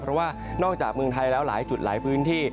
เพราะว่านอกจากเมืองไทยแล้วหลายจุดหลายพื้นที่